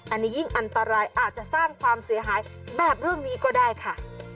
อันนี้ยิ่งอันตรายอาจจะสร้างความเสียหายแบบเรื่องนี้ก็ได้ค่ะ